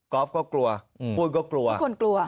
อล์ฟก็กลัวอ้วนก็กลัวทุกคนกลัว